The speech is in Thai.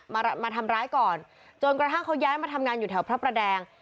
มามาทำร้ายก่อนจนกระทั่งเขาย้ายมาทำงานอยู่แถวพระประแดง